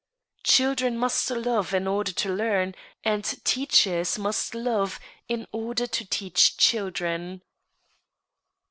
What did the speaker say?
Children must love in order to learn, and teachers must love in order to teach children.